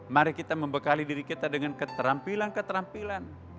mari kita membekali diri kita dengan keterampilan keterampilan